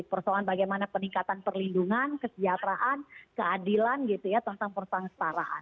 persoalan bagaimana peningkatan perlindungan kesejahteraan keadilan gitu ya tentang persoalan setaraan